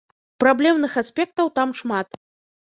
Праблемных аспектаў там шмат.